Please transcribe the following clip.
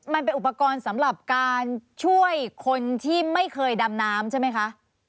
มันเป็นอุปกรณ์สำหรับการช่วยคนที่ไม่เคยดำน้ำใช่ไหมคะ